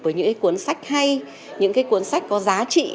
với những cuốn sách hay những cuốn sách có giá trị